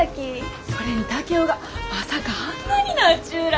それに竹雄がまさかあんなになっちゅうら。